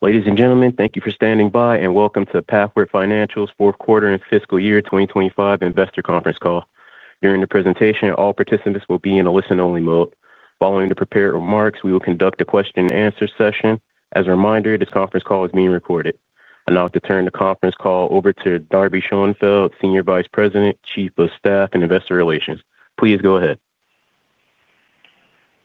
Ladies and gentlemen, thank you for standing by and welcome to Pathward Financial’s fourth quarter and fiscal year 2025 investor conference call. During the presentation, all participants will be in a listen-only mode. Following the prepared remarks, we will conduct a question-and-answer session. As a reminder, this conference call is being recorded. Now to turn the conference call over to Darby Schoenfeld, Senior Vice President, Chief of Staff and Investor Relations. Please go ahead.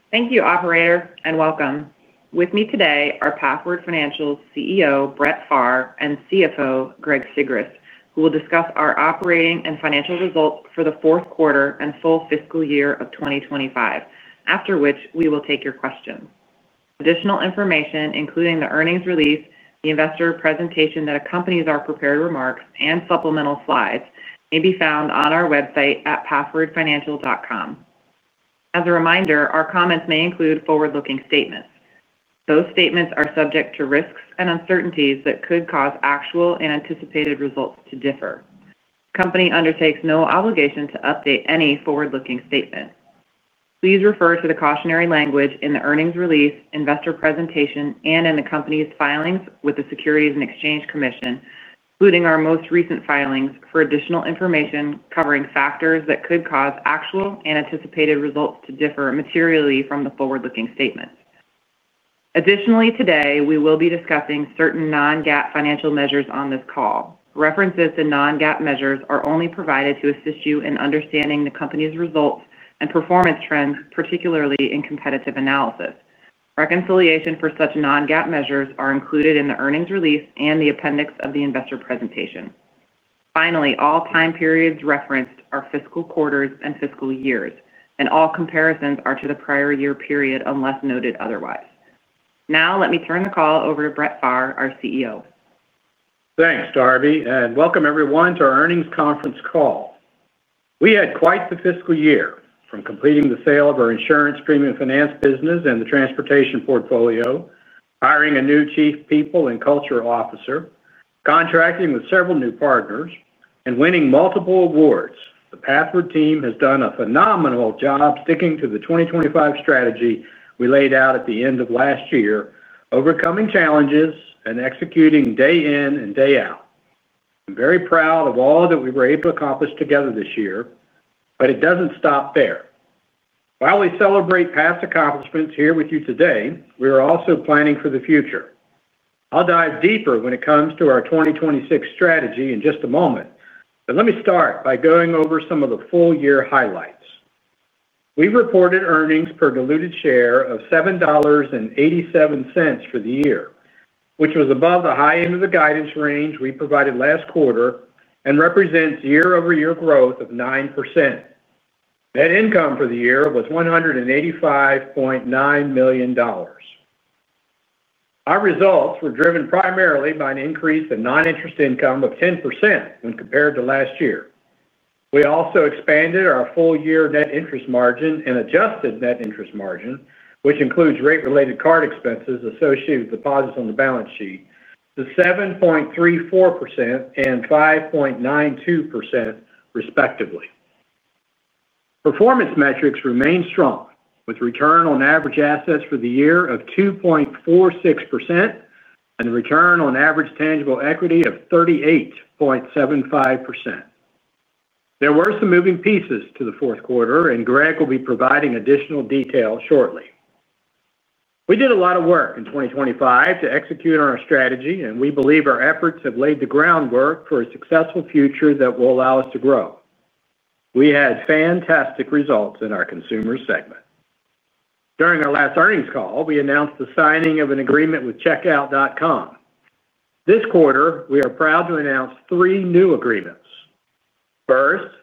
Thank you, Operator, and welcome. With me today are Pathward Financial's CEO, Brett Pharr, and CFO, Greg Sigrist, who will discuss our operating and financial results for the fourth quarter and full fiscal year of 2025, after which we will take your questions. Additional information, including the earnings release, the investor presentation that accompanies our prepared remarks, and supplemental slides may be found on our website at pathwardfinancial.com. As a reminder, our comments may include forward-looking statements. Those statements are subject to risks and uncertainties that could cause actual and anticipated results to differ. The company undertakes no obligation to update any forward-looking statement. Please refer to the cautionary language in the earnings release, investor presentation, and in the company's filings with the Securities and Exchange Commission, including our most recent filings, for additional information covering factors that could cause actual and anticipated results to differ materially from the forward-looking statements. Additionally, today we will be discussing certain non-GAAP financial measures on this call. References to non-GAAP measures are only provided to assist you in understanding the company's results and performance trends, particularly in competitive analysis. Reconciliation for such non-GAAP measures are included in the earnings release and the appendix of the investor presentation. Finally, all time periods referenced are fiscal quarters and fiscal years, and all comparisons are to the prior year period unless noted otherwise. Now, let me turn the call over to Brett Pharr, our CEO. Thanks, Darby, and welcome everyone to our earnings conference call. We had quite the fiscal year from completing the sale of our insurance premium finance business and the transportation portfolio, hiring a new Chief People and Culture Officer, contracting with several new partners, and winning multiple awards. The Pathward team has done a phenomenal job sticking to the 2025 strategy we laid out at the end of last year, overcoming challenges and executing day in and day out. I'm very proud of all that we were able to accomplish together this year, but it doesn't stop there. While we celebrate past accomplishments here with you today, we are also planning for the future. I'll dive deeper when it comes to our 2026 strategy in just a moment, but let me start by going over some of the full-year highlights. We reported earnings per diluted share of $7.87 for the year, which was above the high end of the guidance range we provided last quarter and represents year-over-year growth of 9%. Net income for the year was $185.9 million. Our results were driven primarily by an increase in non-interest income of 10% when compared to last year. We also expanded our full-year net interest margin and adjusted net interest margin, which includes rate-related card expenses associated with deposits on the balance sheet, to 7.34% and 5.92% respectively. Performance metrics remain strong, with return on average assets for the year of 2.46% and a return on average tangible equity of 38.75%. There were some moving pieces to the fourth quarter, and Greg will be providing additional detail shortly. We did a lot of work in 2025 to execute on our strategy, and we believe our efforts have laid the groundwork for a successful future that will allow us to grow. We had fantastic results in our consumer segment. During our last earnings call, we announced the signing of an agreement with Checkout.com. This quarter, we are proud to announce three new agreements. First,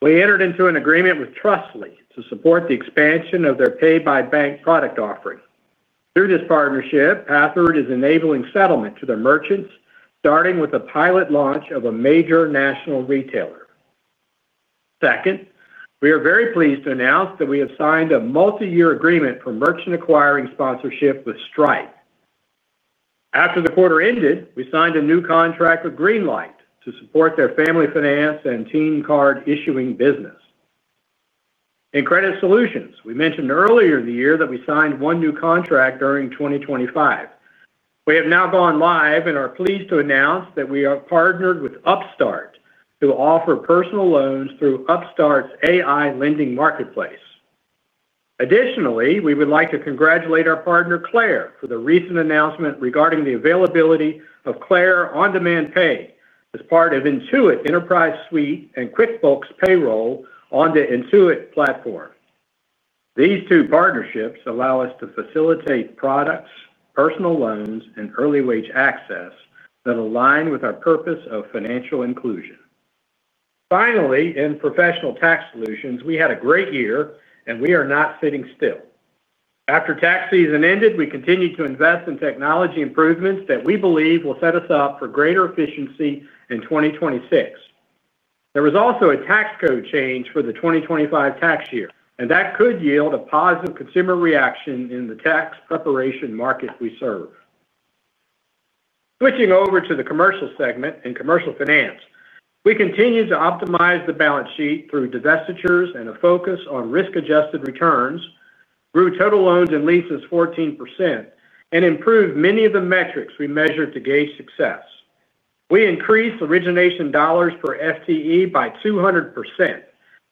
we entered into an agreement with Trustly to support the expansion of their pay-by-bank product offering. Through this partnership, Pathward is enabling settlement to their merchants, starting with a pilot launch of a major national retailer. Second, we are very pleased to announce that we have signed a multi-year agreement for merchant acquiring sponsorship with Stripe. After the quarter ended, we signed a new contract with Greenlight to support their family finance and teen card issuing business. In credit solutions, we mentioned earlier in the year that we signed one new contract during 2025. We have now gone live and are pleased to announce that we are partnered with Upstart to offer personal loans through Upstart's AI lending marketplace. Additionally, we would like to congratulate our partner, Claire’s, for the recent announcement regarding the availability of Claire on-demand pay as part of Intuit Enterprise Suite and QuickBooks Payroll on the Intuit platform. These two partnerships allow us to facilitate products, personal loans, and early wage access that align with our purpose of financial inclusion. Finally, in professional tax solutions, we had a great year, and we are not sitting still. After tax season ended, we continued to invest in technology improvements that we believe will set us up for greater efficiency in 2026. There was also a tax code change for the 2025 tax year, and that could yield a positive consumer reaction in the tax preparation market we serve. Switching over to the commercial segment and commercial finance, we continue to optimize the balance sheet through divestitures and a focus on risk-adjusted returns, grew total loans and leases 14%, and improved many of the metrics we measured to gauge success. We increased origination dollars per FTE by 200%,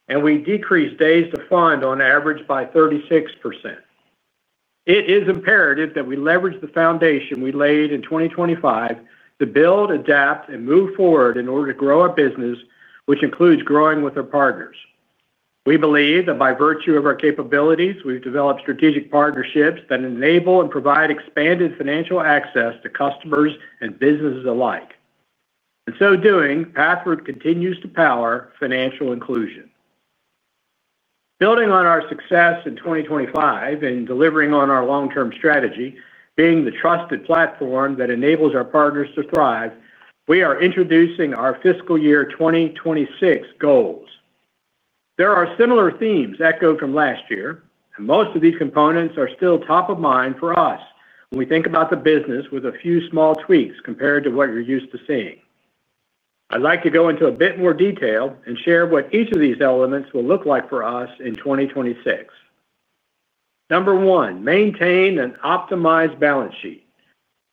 and we decreased days to fund on average by 36%. It is imperative that we leverage the foundation we laid in 2025 to build, adapt, and move forward in order to grow our business, which includes growing with our partners. We believe that by virtue of our capabilities, we've developed strategic partnerships that enable and provide expanded financial access to customers and businesses alike. In so doing, Pathward Financial continues to power financial inclusion. Building on our success in 2025 and delivering on our long-term strategy, being the trusted platform that enables our partners to thrive, we are introducing our fiscal year 2026 goals. There are similar themes echoed from last year, and most of these components are still top of mind for us when we think about the business with a few small tweaks compared to what you're used to seeing. I'd like to go into a bit more detail and share what each of these elements will look like for us in 2026. Number one, maintain an optimized balance sheet.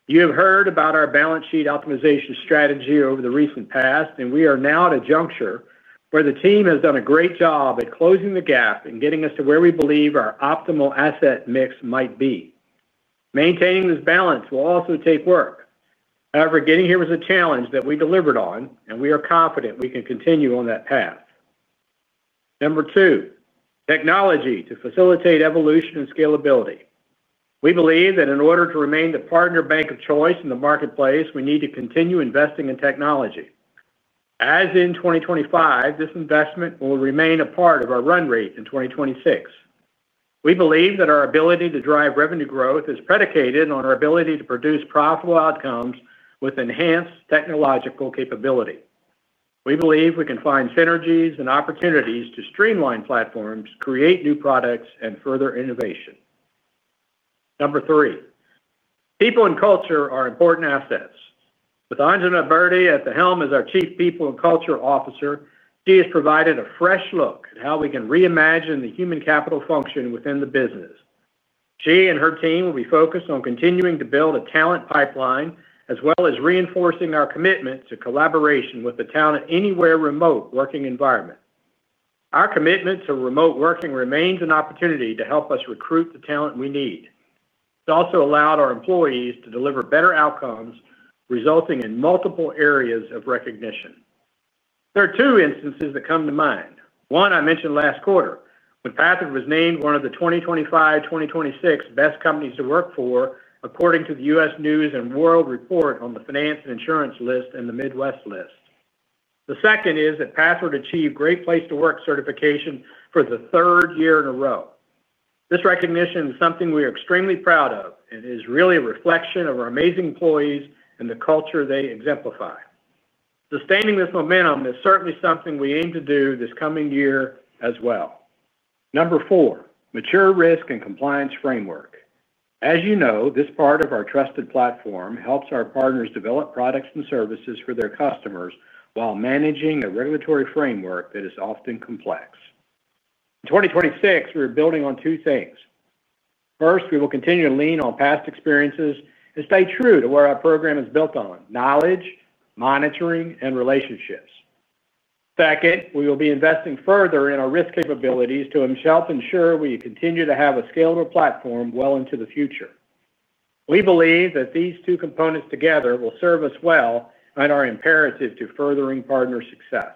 You have heard about our balance sheet optimization strategy over the recent past, and we are now at a juncture where the team has done a great job at closing the gap and getting us to where we believe our optimal asset mix might be. Maintaining this balance will also take work. However, getting here was a challenge that we delivered on, and we are confident we can continue on that path. Number two, technology to facilitate evolution and scalability. We believe that in order to remain the partner bank of choice in the marketplace, we need to continue investing in technology. As in 2025, this investment will remain a part of our run rate in 2026. We believe that our ability to drive revenue growth is predicated on our ability to produce profitable outcomes with enhanced technological capability. We believe we can find synergies and opportunities to streamline platforms, create new products, and further innovation. Number three, people and culture are important assets. With Anjali Bharti at the helm as our Chief People and Culture Officer, she has provided a fresh look at how we can reimagine the human capital function within the business. She and her team will be focused on continuing to build a talent pipeline, as well as reinforcing our commitment to collaboration with the talent anywhere remote working environment. Our commitment to remote working remains an opportunity to help us recruit the talent we need. It's also allowed our employees to deliver better outcomes, resulting in multiple areas of recognition. There are two instances that come to mind. One, I mentioned last quarter, when Pathward Financial was named one of the 2025-2026 best companies to work for, according to the U.S. News and World Report on the Finance and Insurance List and the Midwest List. The second is that Pathward Financial achieved a Great Place to Work certification for the third year in a row. This recognition is something we are extremely proud of and is really a reflection of our amazing employees and the culture they exemplify. Sustaining this momentum is certainly something we aim to do this coming year as well. Number four, mature risk and compliance framework. As you know, this part of our trusted platform helps our partners develop products and services for their customers while managing a regulatory framework that is often complex. In 2026, we're building on two things. First, we will continue to lean on past experiences and stay true to what our program is built on: knowledge, monitoring, and relationships. Second, we will be investing further in our risk capabilities to help ensure we continue to have a scalable platform well into the future. We believe that these two components together will serve us well and are imperative to furthering partner success.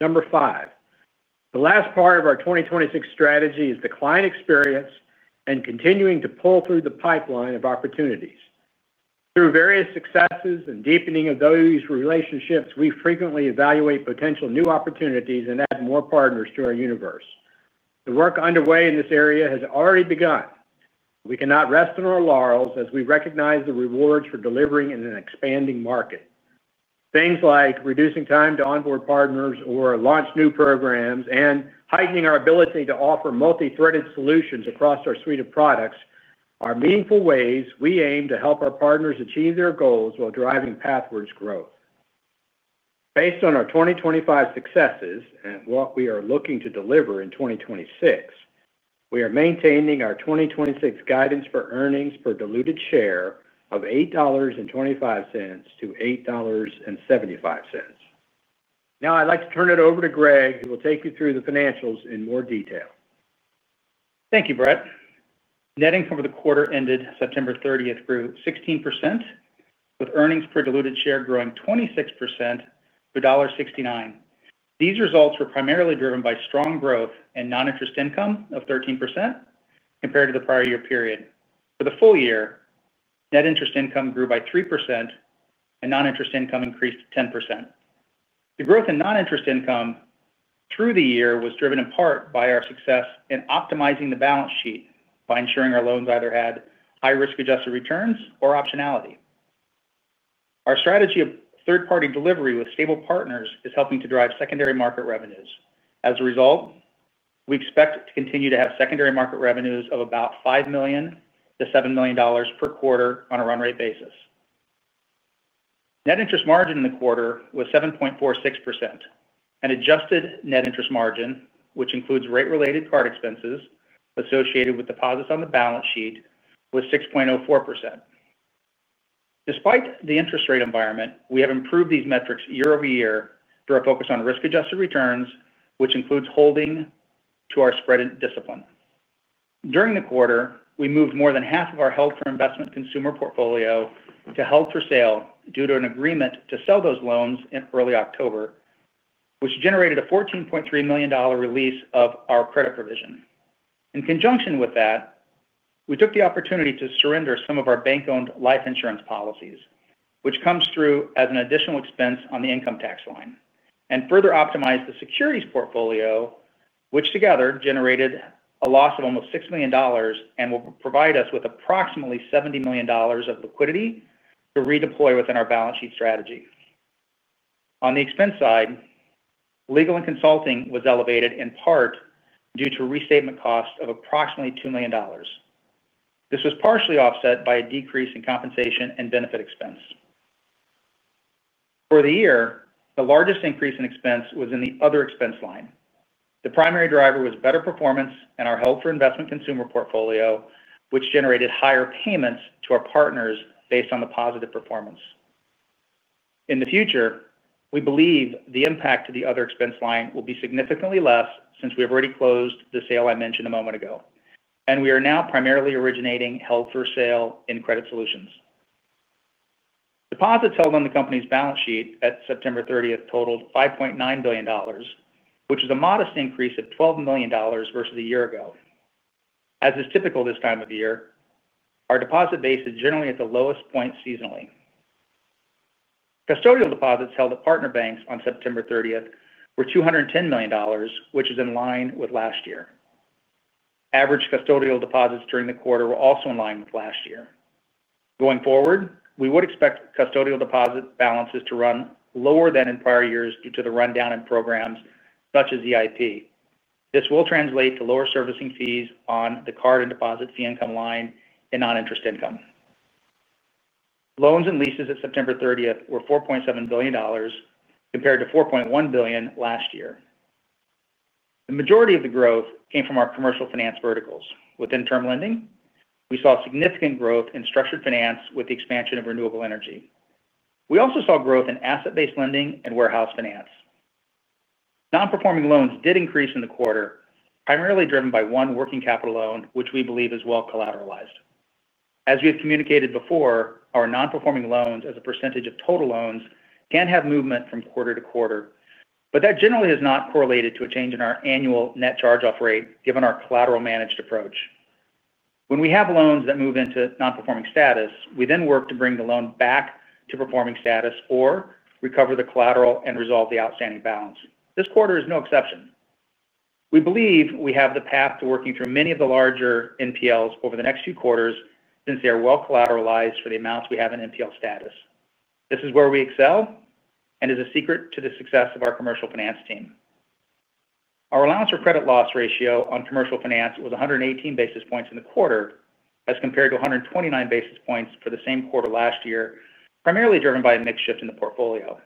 Number five, the last part of our 2026 strategy is the client experience and continuing to pull through the pipeline of opportunities. Through various successes and deepening of those relationships, we frequently evaluate potential new opportunities and add more partners to our universe. The work underway in this area has already begun. We cannot rest on our laurels as we recognize the rewards for delivering in an expanding market. Things like reducing time to onboard partners or launch new programs and heightening our ability to offer multi-threaded solutions across our suite of products are meaningful ways we aim to help our partners achieve their goals while driving Pathward Financial's growth. Based on our 2025 successes and what we are looking to deliver in 2026, we are maintaining our 2026 guidance for earnings per diluted share of $8.25-$8.75. Now I'd like to turn it over to Greg, who will take you through the financials in more detail. Thank you, Brett. Netting for the quarter ended September 30 grew 16%, with earnings per diluted share growing 26% to $1.69. These results were primarily driven by strong growth in non-interest income of 13% compared to the prior year period. For the full year, net interest income grew by 3% and non-interest income increased 10%. The growth in non-interest income through the year was driven in part by our success in optimizing the balance sheet by ensuring our loans either had high risk-adjusted returns or optionality. Our strategy of third-party delivery with stable partners is helping to drive secondary market revenues. As a result, we expect to continue to have secondary market revenues of about $5 million-$7 million per quarter on a run-rate basis. Net interest margin in the quarter was 7.46%, and adjusted net interest margin, which includes rate-related card expenses associated with deposits on the balance sheet, was 6.04%. Despite the interest rate environment, we have improved these metrics year over year through our focus on risk-adjusted returns, which includes holding to our spread and discipline. During the quarter, we moved more than half of our held-for-investment consumer portfolio to held-for-sale due to an agreement to sell those loans in early October, which generated a $14.3 million release of our credit provision. In conjunction with that, we took the opportunity to surrender some of our bank-owned life insurance policies, which comes through as an additional expense on the income tax line, and further optimized the securities portfolio, which together generated a loss of almost $6 million and will provide us with approximately $70 million of liquidity to redeploy within our balance sheet strategy. On the expense side, legal and consulting was elevated in part due to a restatement cost of approximately $2 million. This was partially offset by a decrease in compensation and benefit expense. For the year, the largest increase in expense was in the other expense line. The primary driver was better performance in our held-for-investment consumer portfolio, which generated higher payments to our partners based on the positive performance. In the future, we believe the impact to the other expense line will be significantly less since we have already closed the sale I mentioned a moment ago, and we are now primarily originating held-for-sale in credit solutions. Deposits held on the company's balance sheet at September 30th totaled $5.9 billion, which is a modest increase of $12 million versus a year ago. As is typical this time of year, our deposit base is generally at the lowest point seasonally. Custodial deposits held at partner banks on September 30th were $210 million, which is in line with last year. Average custodial deposits during the quarter were also in line with last year. Going forward, we would expect custodial deposit balances to run lower than in prior years due to the rundown in programs such as EIP. This will translate to lower servicing fees on the card and deposit fee income line and non-interest income. Loans and leases at September 30th were $4.7 billion compared to $4.1 billion last year. The majority of the growth came from our commercial finance verticals. Within term lending, we saw significant growth in structured finance with the expansion of renewable energy. We also saw growth in asset-based lending and warehouse finance. Non-performing loans did increase in the quarter, primarily driven by one working capital loan, which we believe is well collateralized. As we have communicated before, our non-performing loans as a percentage of total loans can have movement from quarter to quarter, but that generally has not correlated to a change in our annual net charge-off rate given our collateral-managed approach. When we have loans that move into non-performing status, we then work to bring the loan back to performing status or recover the collateral and resolve the outstanding balance. This quarter is no exception. We believe we have the path to working through many of the larger NPLs over the next few quarters since they are well collateralized for the amounts we have in NPL status. This is where we excel and is a secret to the success of our commercial finance team. Our allowance for credit loss ratio on commercial finance was 118 bps in the quarter as compared to 129 bps for the same quarter last year, primarily driven by a mix shift in the portfolio.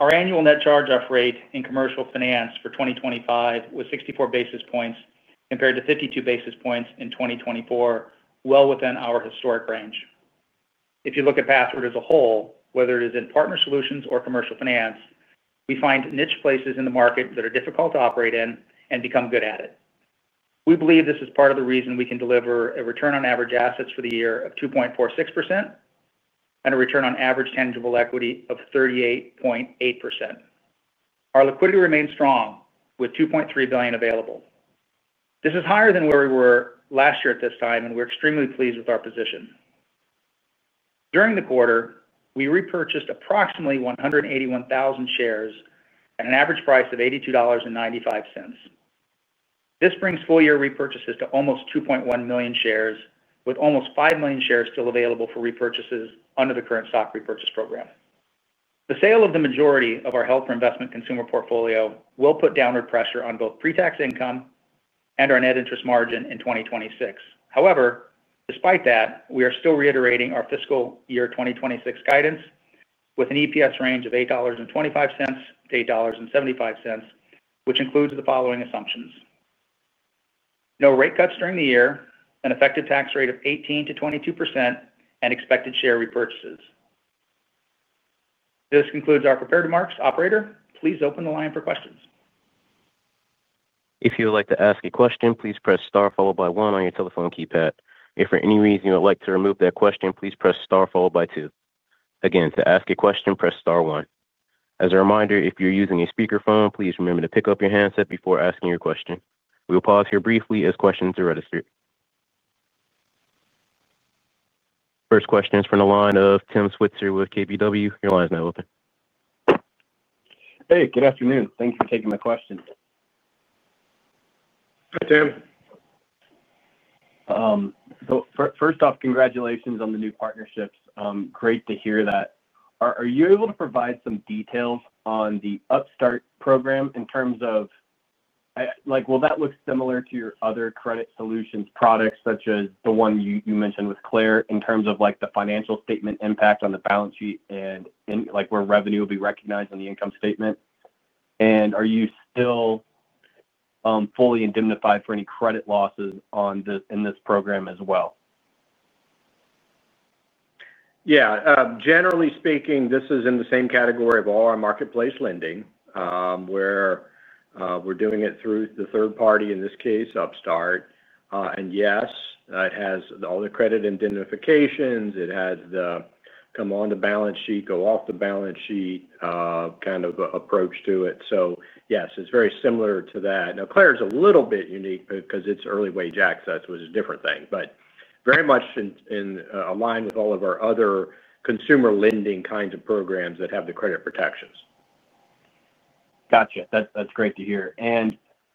Our annual net charge-off rate in commercial finance for 2025 was 64 bps compared to 52 bps in 2024, well within our historic range. If you look at Pathward as a whole, whether it is in Partner Solutions or Commercial Finance, we find niche places in the market that are difficult to operate in and become good at it. We believe this is part of the reason we can deliver a return on average assets for the year of 2.46% and a return on average tangible equity of 38.8%. Our liquidity remains strong with $2.3 billion available. This is higher than where we were last year at this time, and we're extremely pleased with our position. During the quarter, we repurchased approximately 181,000 shares at an average price of $82.95. This brings full-year repurchases to almost 2.1 million shares, with almost 5 million shares still available for repurchases under the current stock repurchase program. The sale of the majority of our held-for-investment consumer portfolio will put downward pressure on both pre-tax income and our net interest margin in 2026. However, despite that, we are still reiterating our fiscal year 2026 guidance with an EPS range of $8.25-$8.75, which includes the following assumptions: no rate cuts during the year, an effective tax rate of 18%-22%, and expected share repurchases. This concludes our prepared remarks. Operator, please open the line for questions. If you would like to ask a question, please press star followed by one on your telephone keypad. If for any reason you would like to remove that question, please press star followed by two. Again, to ask a question, press star one. As a reminder, if you're using a speakerphone, please remember to pick up your handset before asking your question. We'll pause here briefly as questions are registered. First question is from the line of Tim Switzer with KBW. Your line is now open. Hey, good afternoon. Thanks for taking my question. Hi Tim. First off, congratulations on the new partnerships. Great to hear that. Are you able to provide some details on the Upstart program in terms of, like, will that look similar to your other credit solutions products such as the one you mentioned with Claire’s in terms of, like, the financial statement impact on the balance sheet and, like, where revenue will be recognized on the income statement? Are you still fully indemnified for any credit losses in this program as well? Yeah. Generally speaking, this is in the same category of all our marketplace lending, where we're doing it through the third party, in this case, Upstart. Yes, it has all the credit indemnifications. It has the come on the balance sheet, go off the balance sheet, kind of approach to it. Yes, it's very similar to that. Now, Claire’s is a little bit unique because it's early wage access, which is a different thing, but very much in line with all of our other consumer lending kinds of programs that have the credit protections. That's great to hear.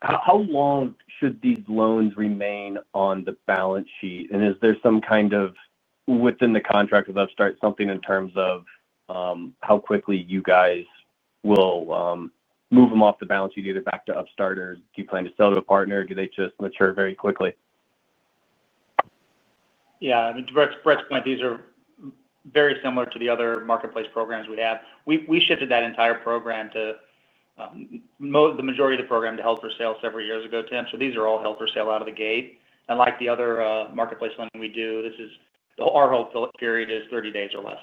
How long should these loans remain on the balance sheet? Is there something within the contract with Upstart, in terms of how quickly you guys will move them off the balance sheet, either back to Upstart, or do you plan to sell to a partner? Do they just mature very quickly? Yeah. I mean, to Brett's point, these are very similar to the other marketplace programs we have. We shifted that entire program, the majority of the program, to held-for-sale several years ago, Tim. These are all held-for-sale out of the gate. Like the other marketplace lending we do, our hold period is 30 days or less.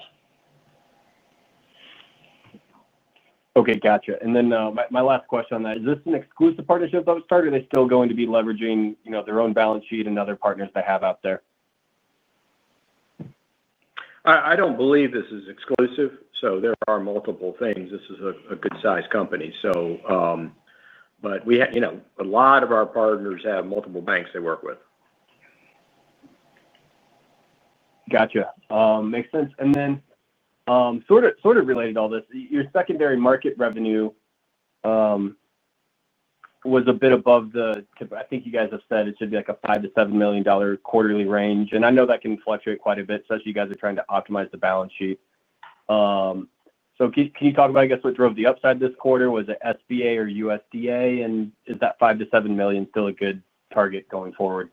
Gotha. My last question on that, is this an exclusive partnership with Upstart? Are they still going to be leveraging their own balance sheet and other partners they have out there? I don't believe this is exclusive. There are multiple things. This is a good-sized company, and a lot of our partners have multiple banks they work with. Gotha. Makes sense. Sort of related to all this, your secondary market revenue was a bit above the, I think you guys have said it should be like a $5 million-$7 million quarterly range. I know that can fluctuate quite a bit since you guys are trying to optimize the balance sheet. Can you talk about what drove the upside this quarter? Was it SBA or USDA? Is that $5 million-$7 million still a good target going forward?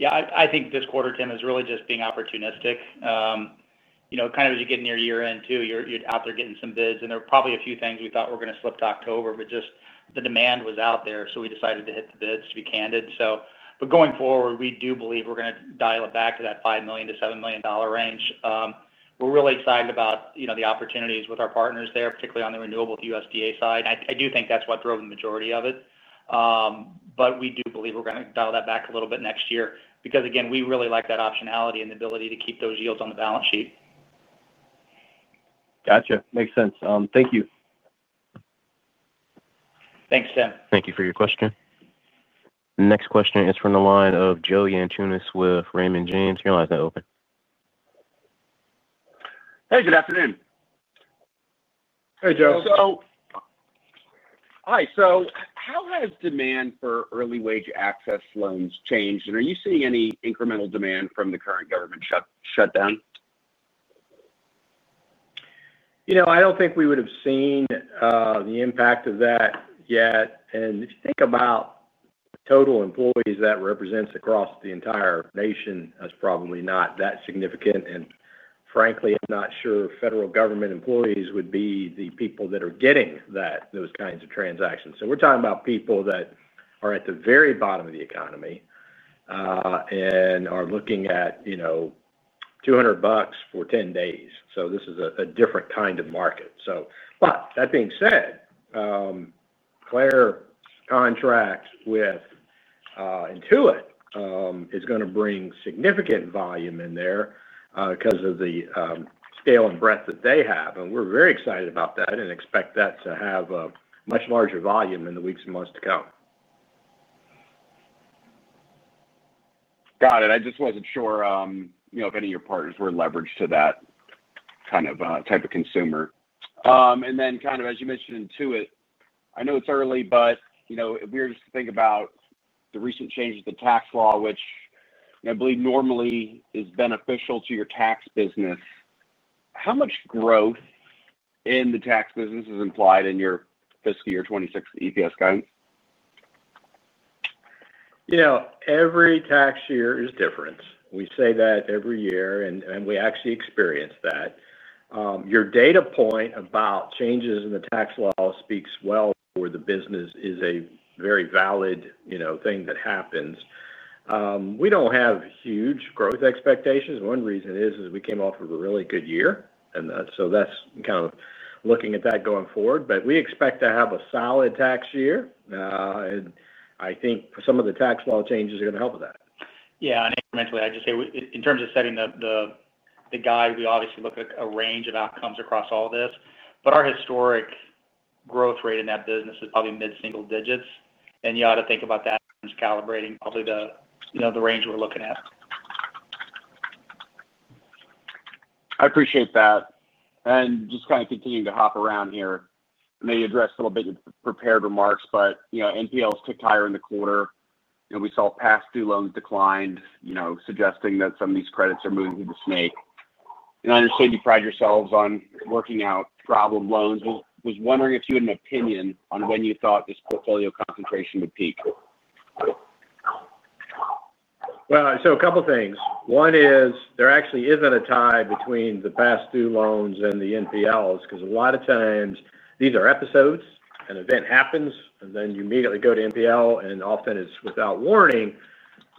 Yeah. I think this quarter, Tim, is really just being opportunistic. As you get near year end too, you're out there getting some bids, and there are probably a few things we thought were going to slip to October, but the demand was out there, so we decided to hit the bids, to be candid. Going forward, we do believe we're going to dial it back to that $5 million-$7 million range. We're really excited about the opportunities with our partners there, particularly on the renewable with USDA side. I do think that's what drove the majority of it. We do believe we're going to dial that back a little bit next year because, again, we really like that optionality and the ability to keep those yields on the balance sheet. Gotha. Makes sense. Thank you. Thanks, Tim. Thank you for your question. Next question is from the line of Joe Yanchunis with Raymond James. Your line is now open. Hey, good afternoon. Hey, Joe. How has demand for early wage access loans changed? Are you seeing any incremental demand from the current government shutdown? I don't think we would have seen the impact of that yet. If you think about the total employees that represents across the entire nation, that's probably not that significant. Frankly, I'm not sure federal government employees would be the people that are getting those kinds of transactions. We're talking about people that are at the very bottom of the economy and are looking at, you know, $200 for 10 days. This is a different kind of market. That being said, Claire’s contract with Intuit is going to bring significant volume in there because of the scale and breadth that they have. We're very excited about that and expect that to have a much larger volume in the weeks and months to come. Got it. I just wasn't sure if any of your partners were leveraged to that kind of type of consumer. As you mentioned, Intuit, I know it's early, but if we were just to think about the recent changes to tax law, which I believe normally is beneficial to your tax business, how much growth in the tax business is implied in your fiscal year 2026 EPS guidance? Every tax year is different. We say that every year, and we actually experience that. Your data point about changes in the tax law speaks well for the business. It's a very valid thing that happens. We don't have huge growth expectations. One reason is we came off of a really good year, and so that's kind of looking at that going forward. We expect to have a solid tax year, and I think some of the tax law changes are going to help with that. Yeah. Incrementally, I'd just say in terms of setting the guide, we obviously look at a range of outcomes across all of this. Our historic growth rate in that business is probably mid-single digits, and you ought to think about that when it comes to calibrating probably the range we're looking at. I appreciate that. Just kind of continuing to hop around here, I know you addressed a little bit in your prepared remarks, but you know, NPLs ticked higher in the quarter, and we saw past-due loans declined, suggesting that some of these credits are moving through the snake. I understand you pride yourselves on working out problem loans. I was wondering if you had an opinion on when you thought this portfolio concentration would peak. A couple of things. One is there actually isn't a tie between the past-due loans and the NPLs because a lot of times these are episodes. An event happens, and then you immediately go to NPL, and often it's without warning.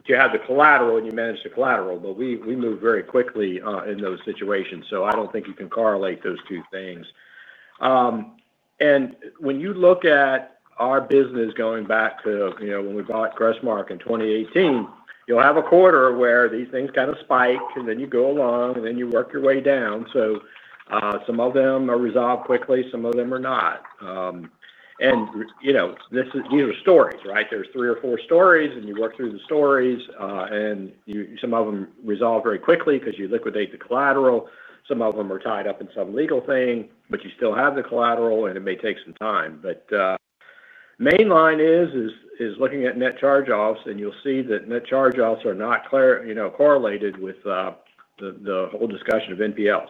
You have the collateral, and you manage the collateral. We move very quickly in those situations. I don't think you can correlate those two things. When you look at our business going back to, you know, when we bought Grossmark in 2018, you'll have a quarter where these things kind of spike, and then you go along, and then you work your way down. Some of them are resolved quickly. Some of them are not. These are stories, right? There's three or four stories, and you work through the stories, and some of them resolve very quickly because you liquidate the collateral. Some of them are tied up in some legal thing, but you still have the collateral, and it may take some time. The main line is looking at net charge-offs, and you'll see that net charge-offs are not correlated with the whole discussion of NPLs.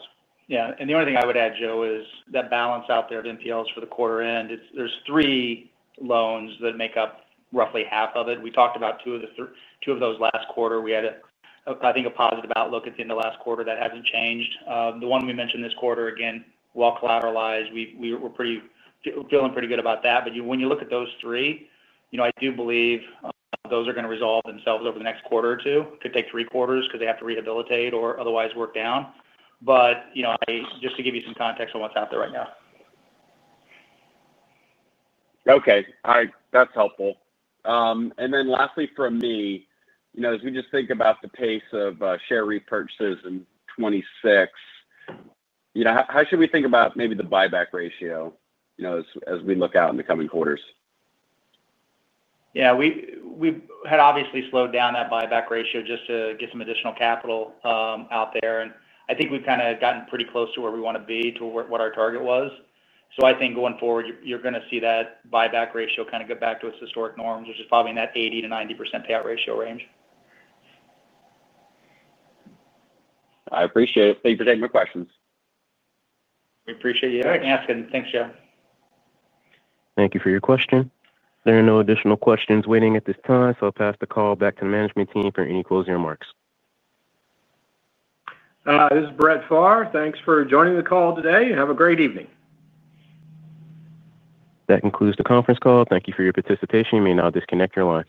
Yeah. The only thing I would add, Joe, is that balance out there of NPLs for the quarter end, there's three loans that make up roughly half of it. We talked about two of those last quarter. We had, I think, a positive outlook at the end of last quarter. That hasn't changed. The one we mentioned this quarter, again, well collateralized, we're feeling pretty good about that. When you look at those three, I do believe those are going to resolve themselves over the next quarter or two. It could take three quarters because they have to rehabilitate or otherwise work down. Just to give you some context on what's out there right now. All right. That's helpful. Lastly from me, as we just think about the pace of share repurchases in 2026, how should we think about maybe the buyback ratio as we look out in the coming quarters? Yeah. We had obviously slowed down that buyback ratio just to get some additional capital out there. I think we've kind of gotten pretty close to where we want to be, to what our target was. I think going forward, you're going to see that buyback ratio kind of get back to its historic norms, which is probably in that 80%-90% payout ratio range. I appreciate it. Thank you for taking my questions. We appreciate you asking. Thanks, Joe. Thank you for your question. There are no additional questions waiting at this time, so I'll pass the call back to the management team for any closing remarks. This is Brett Pharr. Thanks for joining the call today. Have a great evening. That concludes the conference call. Thank you for your participation. You may now disconnect your lines.